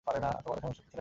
তোমাদের সমস্যা কী ছেলেরা?